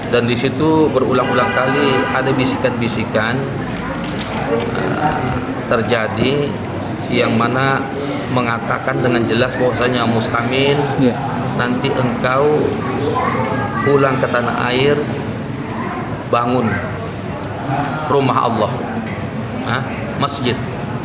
dan disitu berulang ulang kali ada bisikan bisikan terjadi yang mana mengatakan dengan jelas bahwasannya mustamin nanti engkau pulang ke tanah air bangun rumah allah masjid